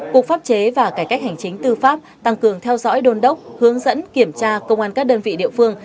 cục pháp chế và cải cách hành chính tư pháp tăng cường theo dõi đôn đốc hướng dẫn kiểm tra công an các đơn vị địa phương